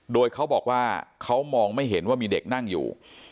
โดยเขาบอกว่าเขามองไม่เห็นว่ามีเด็กนั่งอยู่